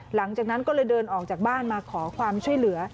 หลังจากนั้นก็เลยเดินออกจากบ้านมาขอความช่วยเหลือ